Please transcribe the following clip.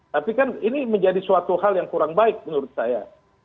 tapi kan ini menjadi suatu hal yang kurang baik menurut saya